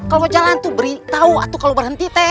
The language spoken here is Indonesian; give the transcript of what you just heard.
kalau mau jalan beritahu aku kalau berhenti